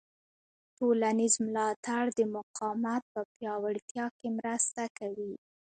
ټولنیز ملاتړ د مقاومت په پیاوړتیا کې مرسته کوي.